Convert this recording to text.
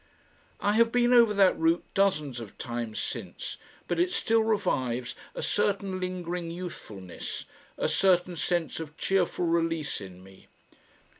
I have been over that route dozens of times since, but it still revives a certain lingering youthfulness, a certain sense of cheerful release in me.